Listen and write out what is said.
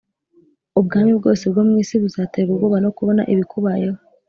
ubwami bwose bwo mu isi buzaterwa ubwoba no kubona ibikubayeho